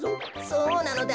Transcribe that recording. そうなのだ。